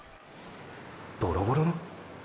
ボロボロのーー⁉